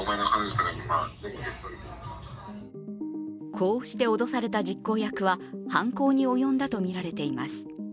こうして脅された実行役は犯行に及んだとみられています。